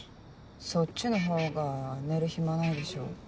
そっちのほうが寝る暇ないでしょ。